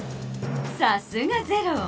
さすがゼロ！